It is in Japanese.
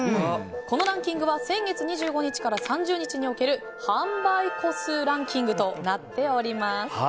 このランキングは先月２５日から３０日における販売個数ランキングとなっております。